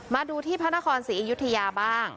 มาดูที่พระนครศรีอยุธยาบ้าง